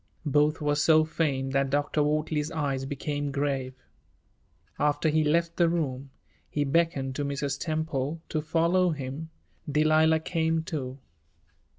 Both were so faint that Dr. Wortley's eyes became grave. After he left the room, he beckoned to Mrs. Temple to follow him. Delilah came, too.